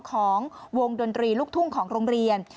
ของวงดนตรีลูกทุ่งของโรงเรียน